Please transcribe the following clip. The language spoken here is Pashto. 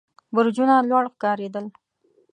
برجونه لوړ ښکارېدل.